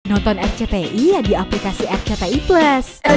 nonton rcti di aplikasi rcti plus